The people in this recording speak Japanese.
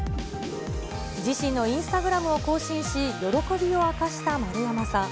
自身のインスタグラムを更新し、喜びを明かした丸山さん。